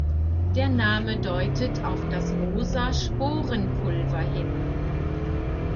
Der Name deutet auf das rosa Sporenpulver hin.